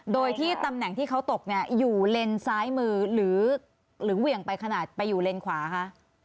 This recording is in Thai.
โดยที่ตำแหน่งที่เขาตกเนี่ยอยู่เลนซ้ายมือหรือเหวี่ยงไปขนาดไปอยู่เลนขวาคะ